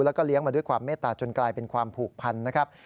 แล้วก็เลี้ยงมาด้วยความเมตตาจนกลายเป็นความผูกพันนะครับ